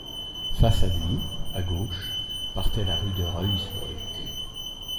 Face à lui, à gauche, partait la rue de Ruysbroeck.